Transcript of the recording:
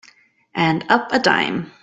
And up a dime.